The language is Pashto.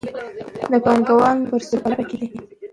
پانګوال د فرصتونو په لټه کې دي.